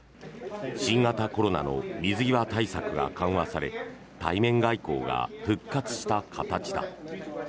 新型コロナの水際対策が緩和され対面外交が復活した形だ。